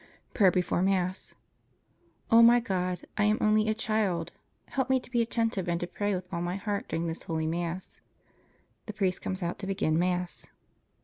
PRAYER BEFORE MASS O my God, I am only a child; help me to be attentive, and to pray with all my heart during this holy Mass. The priest comes out to begin Mass.